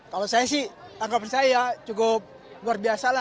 kalau saya sih tanggapan saya ya cukup luar biasa lah